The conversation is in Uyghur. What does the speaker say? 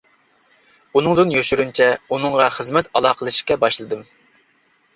ئۇنىڭدىن يوشۇرۇنچە ئۇنىڭغا خىزمەت ئالاقىلىشىشكە باشلىدىم.